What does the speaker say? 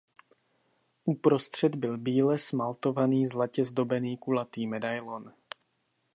Uprostřed byl bíle smaltovaný zlatě zdobený kulatý medailon.